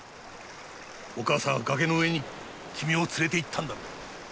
お母さんは崖の上に君を連れていったんだろう。